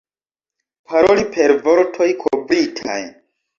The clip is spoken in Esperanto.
Paroli per vortoj kovritaj.